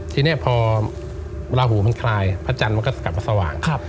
ทีนี้พอเวลาหูมันคลายพระจันทร์มันก็กลับมาสว่าง